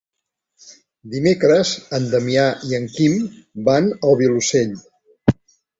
Dimecres en Damià i en Quim van al Vilosell.